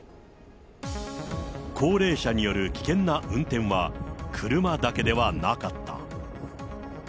高齢者による危険な運転は、車だけではなかった。